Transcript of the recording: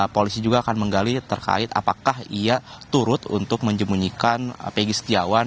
polisi juga akan menggali terkait apakah ia turut untuk menjemunyikan pegi setiawan